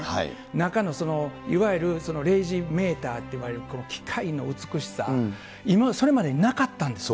中のいわゆる零士メーターといわれる機械の美しさ、今まで、それまでになかったんですよ。